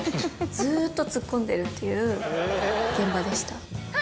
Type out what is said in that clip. ずっとツッコんでるっていう現場でした。